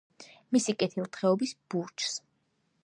მისი კეთილდღეობის ბურჯს.